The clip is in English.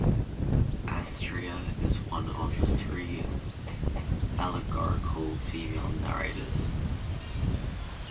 Astrea is the one of the three allegorical female narrators.